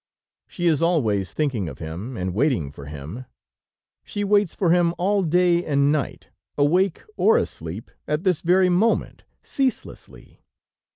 She is always thinking of him and waiting for him; she waits for him all day and night, awake or asleep, at this very moment, ceaselessly.